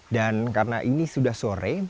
dan karena ini sudah sore